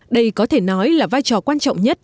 đây có thể nói là vai trò quan trọng nhất